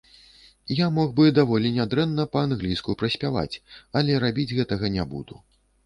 І я мог бы даволі нядрэнна па-англійску праспяваць, але рабіць гэтага не буду.